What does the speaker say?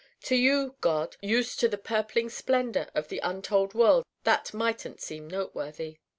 To you, God, used to the purpling splendor of untold worlds that mightn't seem noteworthy.